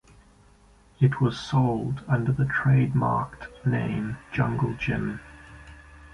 It was sold under the trademarked name Junglegym.